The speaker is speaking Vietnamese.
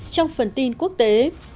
trong phần tin quốc tế